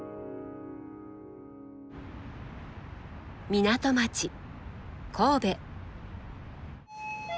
港町神戸。